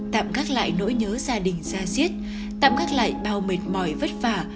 tạm gác lại nỗi nhớ gia đình ra diết tạm gác lại bao mệt mỏi vất vả